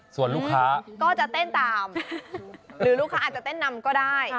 ส่วนลูกค้าก็จะเต้นตามหรือลูกค้าอาจจะเต้นนำก็ได้